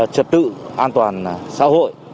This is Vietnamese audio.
trật tự an toàn xã hội